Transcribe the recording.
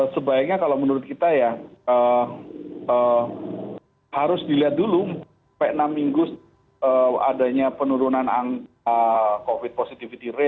sebaiknya kalau menurut kita ya harus dilihat dulu sampai enam minggu adanya penurunan angka covid positivity rate